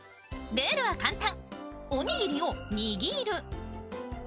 ルールは簡単。